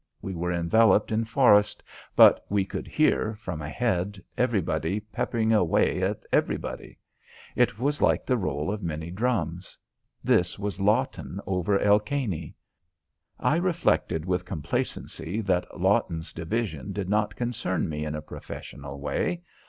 We were enveloped in forest, but we could hear, from ahead, everybody peppering away at everybody. It was like the roll of many drums. This was Lawton over at El Caney. I reflected with complacency that Lawton's division did not concern me in a professional way.